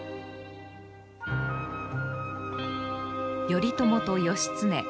頼朝と義経。